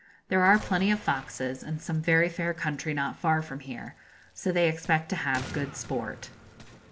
There are plenty of foxes, and some very fair country not far from here; so they expect to have good sport.